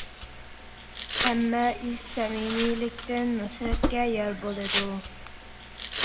ھەممە ئىش سەمىمىيلىكتىن نۇسرەتكە يار بولىدۇ.